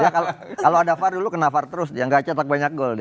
kalau ada far dulu kena far terus yang gak cetak banyak gol dia